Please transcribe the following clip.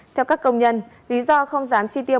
theo các công nhân lý do không rán chi tiêu